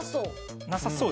なさそう。